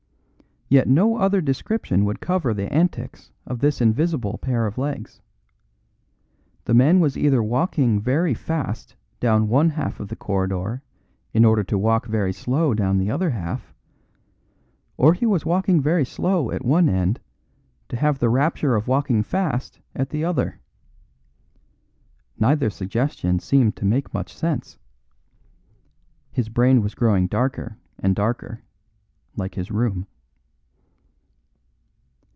Yet no other description would cover the antics of this invisible pair of legs. The man was either walking very fast down one half of the corridor in order to walk very slow down the other half; or he was walking very slow at one end to have the rapture of walking fast at the other. Neither suggestion seemed to make much sense. His brain was growing darker and darker, like his room.